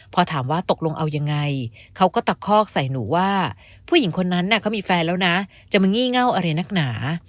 พอถามว่าตกลงเอายังไงเขาก็ตะคอกใส่หนูว่าผู้หญิงคนนั้นเขามีแฟนแล้วนะจะมางี่เง่าอะไรนักหนา